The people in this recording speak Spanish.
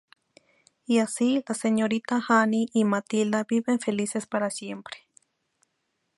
Y así la señorita Honey y Matilda viven felices para siempre.